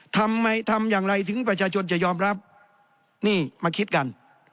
ทำไมทำอย่างไรถึงประชาชนจะยอมรับนี่มาคิดกัน